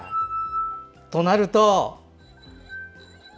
となると。